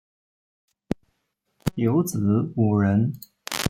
有子五人